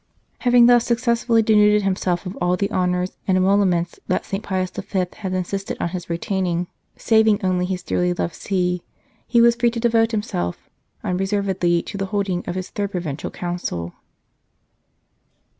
Having thus successfully denuded himself of all the honours and emoluments that St. Pius V. had insisted on his retaining, saving only his dearly loved See, he was free to devote himself unre servedly to the holding of his third Provincial Council.